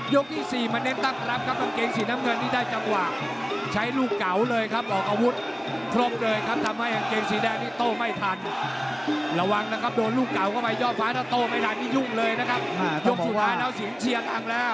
ยกที่สี่มันเน็นตั้งท์หลับครับอังเกงสีน้ำเงินที่ได้จังหวะ